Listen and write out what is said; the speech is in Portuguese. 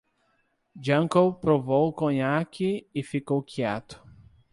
Janko provou conhaque e ficou quieto.